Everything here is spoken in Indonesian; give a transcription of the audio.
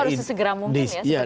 harus segera muncul ya